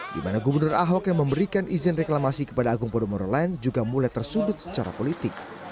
di mana gubernur ahok yang memberikan izin reklamasi kepada agung podomoro lain juga mulai tersudut secara politik